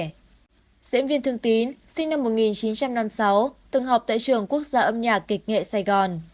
diễn viên thương tín sinh năm một nghìn chín trăm năm mươi sáu từng học tại trường quốc gia âm nhạc kịch nghệ sài gòn